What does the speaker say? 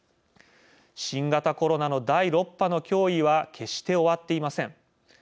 新型コロナの第６波の脅威は決して終わっていません。